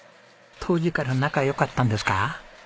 当時から仲良かったんですか？